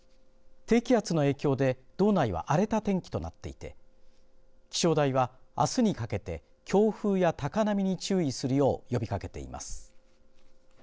低気圧の影響で道内は荒れた天気となっていて気象台はあすにかけて強風や高波に注意するよう呼びかけています。